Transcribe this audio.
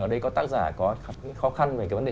ở đây có tác giả có những khó khăn về cái vấn đề